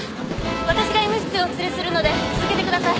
私が医務室へお連れするので続けてください。